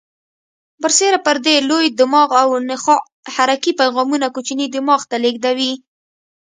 برسیره پر دې لوی دماغ او نخاع حرکي پیغامونه کوچني دماغ ته لېږدوي.